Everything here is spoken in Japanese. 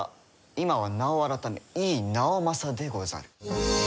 今は名を改め井伊直政でござる。